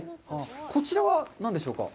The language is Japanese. こちらは何でしょうか？